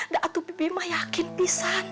tapi bibi mah yakin bisa